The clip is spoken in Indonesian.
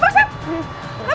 aku akan menang